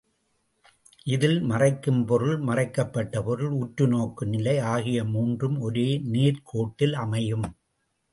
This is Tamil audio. இதில் மறைக்கும் பொருள், மறைக்கப்பட்ட பொருள், உற்றுநோக்கு நிலை ஆகிய மூன்றும் ஒரே நேர்க் கோட்டில் அமையும்.